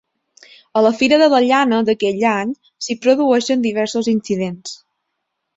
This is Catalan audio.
A la fira de la llana d'aquell any, s'hi produeixen diversos incidents.